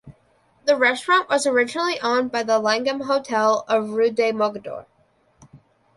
The restaurant was originally owned by the Langham Hotel of rue de Mogador.